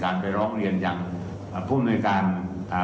การสอบส่วนแล้วนะ